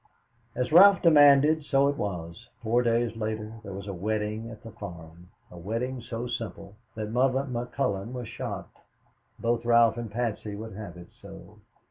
As Ralph demanded, so it was. Four days later there was a wedding at the farm a wedding so simple that Mother McCullon was shocked. Both Ralph and Patsy would have it so.